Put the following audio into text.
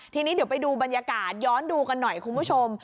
ทีนี้เดี๋ยวไปดูบรรยากาศย้อนดูกันหน่อยคุณผู้ชม